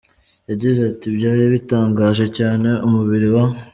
Yagize ati, Byari bitangaje cyane, umubiri wa.